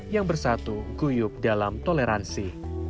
yang bersatu guyup dalam toleransi